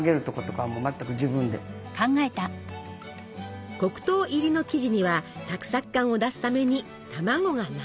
黒糖入りの生地にはサクサク感を出すために卵が７個！